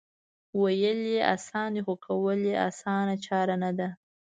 وېل یې اسان دي خو کول یې اسانه چاره نه ده